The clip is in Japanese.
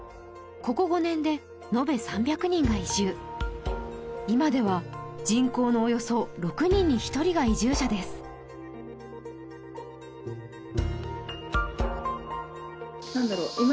ここ５年で延べ３００人が移住今では人口のおよそ６人に１人が移住者です何だろう